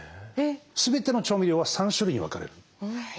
全ての調味料は３種類に分かれる。